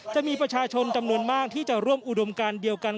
จะมีประชาชนจำนวนมากที่จะร่วมอุดมการเดียวกัน